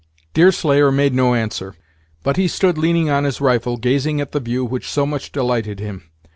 Deerslayer made no answer; but he stood leaning on his rifle, gazing at the view which so much delighted him.